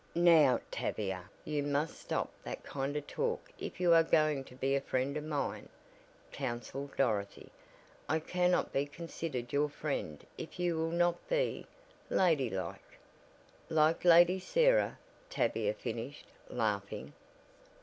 "Now, Tavia, you must stop that kind of talk if you are going to be a friend of mine," counseled Dorothy. "I cannot be considered your friend if you will not be ladylike " "Like Lady Sarah," Tavia finished, laughing.